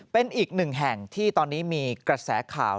เป็นอีกหนึ่งแห่งที่ตอนนี้มีกระแสข่าว